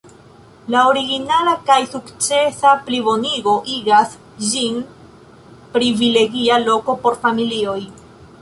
La originala kaj sukcesa plibonigo igas ĝin privilegia loko por familioj.